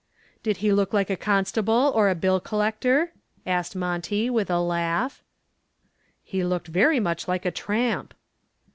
"Did he look like a constable or a bill collector?" asked Monty, with a laugh. "He looked very much like a tramp."